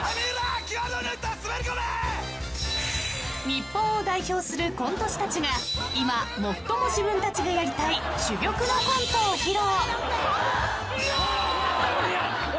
日本を代表するコント師たちが今、最も自分たちがやりたい珠玉のコントを披露。